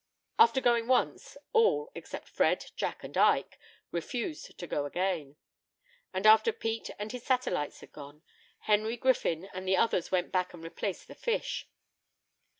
After going once, all, except Fred, Jack, and Ike, refused to go again; and after Pete and his satellites had gone, Henry Griffin and the others went back and replaced the fish.